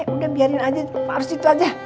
udah biarin aja harus itu aja